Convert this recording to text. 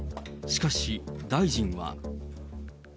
しかし、大臣は。